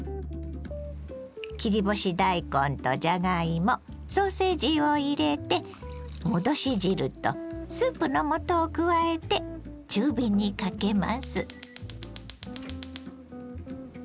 切り干し大根とじゃがいもソーセージを入れて戻し汁とスープの素を加えて中火にかけます。